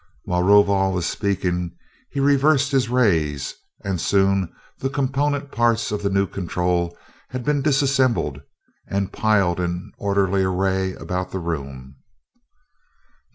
While Rovol was speaking, he reversed his rays, and soon the component parts of the new control had been disassembled and piled in orderly array about the room.